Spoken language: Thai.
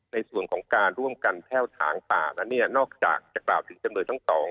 ในส่วนของการร่วมกันแพ่วทางต่างนอกจากจะกล่าวถึงจำนวนทั้ง๒